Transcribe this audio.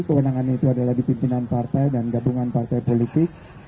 kewenangan itu adalah di pimpinan partai dan gabungan partai politik